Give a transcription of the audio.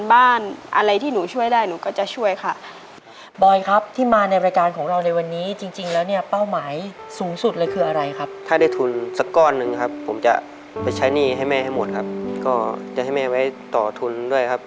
ไม่ได้ตื้อค่ะแม่ไปพูดให้พี่ฟังแล้วพี่ก็มาคุยด้วย